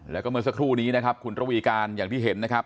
แล้วก็เมื่อสักครู่นี้นะครับคุณระวีการอย่างที่เห็นนะครับ